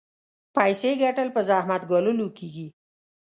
پيسې ګټل په زحمت ګاللو کېږي.